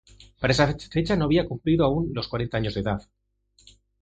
Para esa fecha no había cumplido aún los cuarenta años de edad.